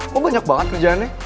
kok banyak banget kerjaannya